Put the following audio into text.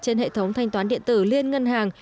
trên hệ thống thanh toán điện tử liên ngân hàng